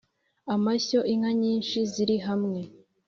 amashyo:inka nyinshi ziri hamwe